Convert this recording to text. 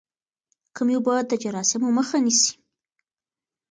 کمې اوبه د جراثیمو مخه نیسي.